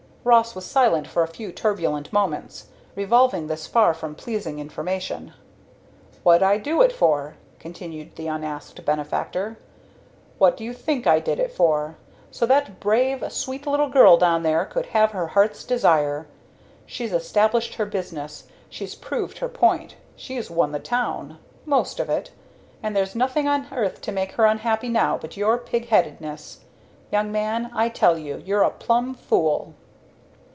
Ross was silent for a few turbulent moments, revolving this far from pleasing information. "What'd I do it for?" continued the unasked benefactor. "What do you think I did it for? So that brave, sweet little girl down here could have her heart's desire. She's established her business she's proved her point she's won the town most of it; and there's nothing on earth to make her unhappy now but your pigheadedness! Young man, I tell you you're a plumb fool!"